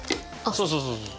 そうそうそうそう。